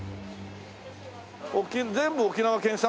全部沖縄県産？